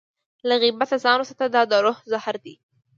له غیبت نه ځان وساته، دا د روح زهر دی.